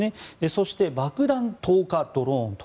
そして、爆弾投下ドローンと。